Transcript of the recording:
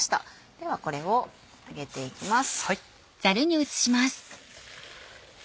ではこれをあげていきます。